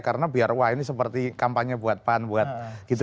karena biar wah ini seperti kampanye buat pan buat gitu